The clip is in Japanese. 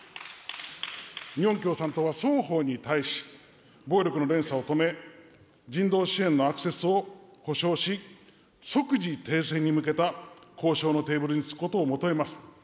日本共産党は双方に対し、暴力の連鎖を止め、人道支援のアクセスを保障し、即時停戦に向けた交渉のテーブルにつくことを求めます。